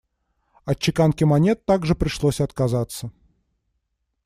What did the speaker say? От чеканки монет также пришлось отказаться.